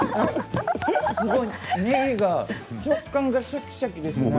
ねぎが食感がシャキシャキです。